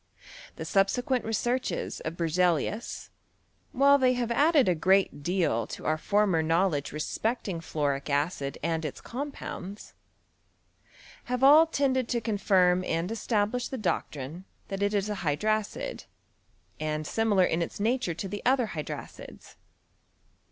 The subsequent researches of Berze lius, while they have added a great deal to our former knowledge respecting fluoric acid and its com pounds, have all tended to confirm and establish the doctrine that it is a hydracid, and similar in its nature to the other hydracids.